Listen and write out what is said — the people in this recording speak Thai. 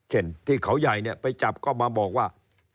ที่เขาใหญ่เนี่ยไปจับก็มาบอกว่า